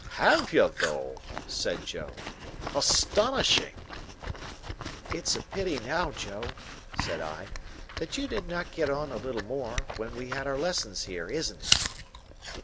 "Have you though?" said Joe. "Astonishing!" "It's a pity now, Joe," said I, "that you did not get on a little more, when we had our lessons here; isn't it?"